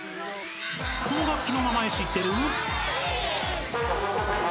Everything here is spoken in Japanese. ［この楽器の名前知ってる？］